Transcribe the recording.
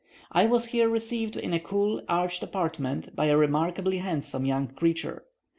I was here received in a cool arched apartment by a remarkably handsome young creature.